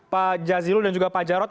pak jazilul dan juga pak jarod